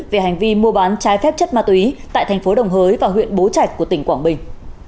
về hành vi mua bán trái phép chất ma túy tại thành phố đồng hới và huyện bố trạch của tỉnh quảng bình